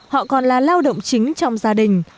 họ còn là lao động chính trong gia đình